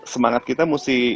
semangat kita mesti